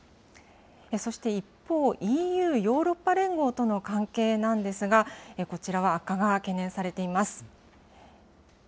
そして一方、ＥＵ・ヨーロッパ連合との関係なんですが、こちらは悪化が懸念されています。